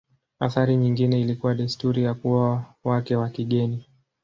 Athari nyingine ilikuwa desturi ya kuoa wake wa kigeni.